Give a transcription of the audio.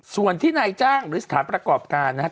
ส่วนที่นายจ้างหรือสถานประกอบการนะครับ